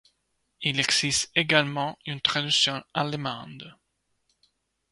Il existe également une traduction allemande.